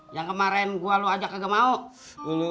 yang kemarin gue lu ajak gak mau